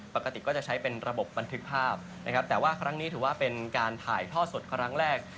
ปกติก็จะใช้เป็นระบบบันทึกภาพนะครับแต่ว่าครั้งนี้ถือว่าเป็นการถ่ายทอดสดครั้งแรก